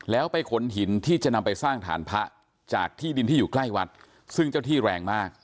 แล้วไปขนหินที่จะนำไปสร้างฐานพระจากที่ดินที่อยู่ใกล้วัดซึ่งเจ้าที่แรงมาก